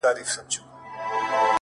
موږ بلاگان خو د بلا تر سترگو بد ايسو.!